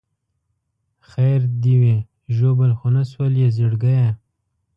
خیر دې وي ژوبل خو نه شولې زړګیه.